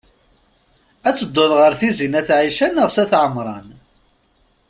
Ad tedduḍ ɣer Tizi n at Ɛica neɣ s at Ɛemṛan?